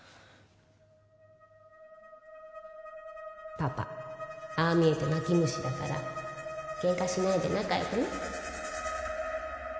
パパ、ああ見えて泣き虫だからけんかしないで仲よくね。